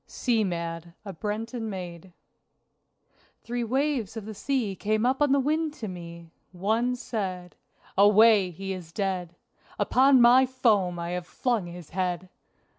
SEA MAD (A Breton Maid) Three waves of the sea came up on the wind to me! One said: "Away! he is dead! Upon my foam I have flung his head!